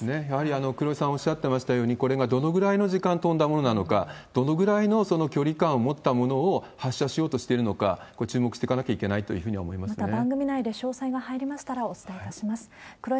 やはり黒井さんおっしゃってましたように、これがどのぐらいの時間飛んだものなのか、どのぐらいの距離感を持ったものを発射しようとしているのか、これ、注目していかなきゃいけないというふうには思いますね。